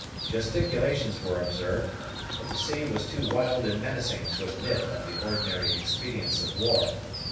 Gesticulations were observed, but the sea was too wild and menacing to admit of the ordinary expedients of war.